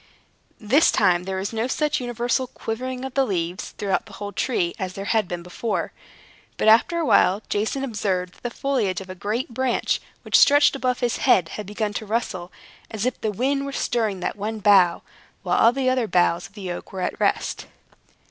This time, there was no such universal quivering of the leaves, throughout the whole tree, as there had been before. But after a while, Jason observed that the foliage of a great branch which stretched above his head had begun to rustle, as if the wind were stirring that one bough, while all the other boughs of the oak were at rest.